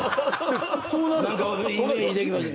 何かイメージできます。